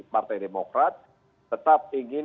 partai demokrat tetap ingin